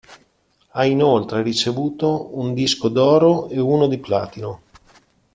Ha inoltre ricevuto un disco d'oro e uno di platino..